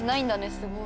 すごい。